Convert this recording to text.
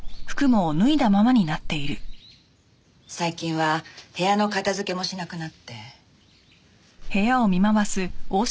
最近は部屋の片づけもしなくなって。